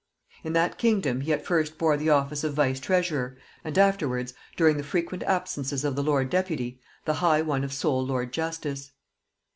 In that kingdom he at first bore the office of vice treasurer, and afterwards, during the frequent absences of the lord deputy, the high one of sole lord justice.